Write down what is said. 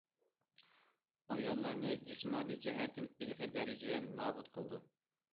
ئاياللارنى جىسمانىي جەھەتتىن ئېغىر دەرىجىدە نابۇت قىلىدۇ.